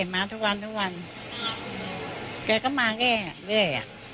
อยากฝากบอกอะไรกับน้องกับผิดการทางนี้